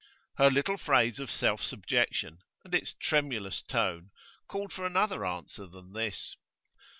Her little phrase of self subjection, and its tremulous tone, called for another answer than this.